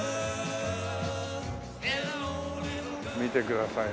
見てください